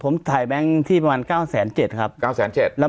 ผมถ่ายแบงค์ที่ประมาณ๙๗๐๐ครับ